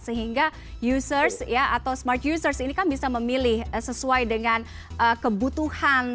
sehingga users atau smart users ini kan bisa memilih sesuai dengan kebutuhan